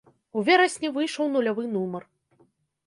У верасні выйшаў нулявы нумар.